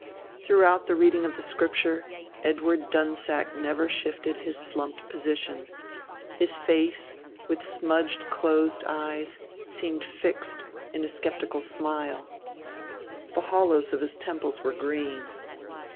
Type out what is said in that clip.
Throughout the reading of the Scripture Edward Dunsack never shifted his slumped position; his face, with smudged closed eyes, seemed fixed in a skeptical smile. The hollows of his temples were green.